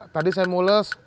tadi saya mulus